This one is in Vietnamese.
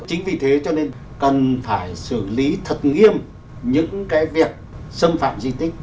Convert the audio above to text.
chính vì thế cho nên cần phải xử lý thật nghiêm những cái việc xâm phạm di tích